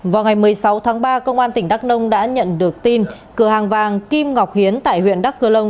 vào ngày một mươi sáu tháng ba công an tỉnh đắk nông đã nhận được tin cửa hàng vàng kim ngọc hiến tại huyện đắk cơ long